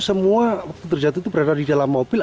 semua terjatuh itu berada di dalam mobil